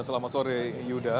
selamat sore yuda